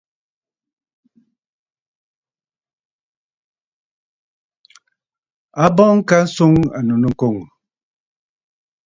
A bɔŋ ka swɔŋ ànnù nɨkoŋǝ̀.